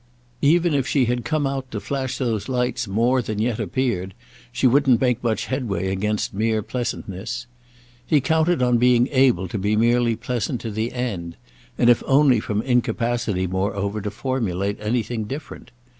Even if she had come out to flash those lights more than yet appeared she wouldn't make much headway against mere pleasantness. He counted on being able to be merely pleasant to the end, and if only from incapacity moreover to formulate anything different.